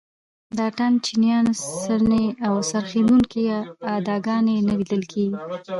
د اتڼ چیانو څڼې او څرخېدونکې اداګانې نه لیدل کېږي.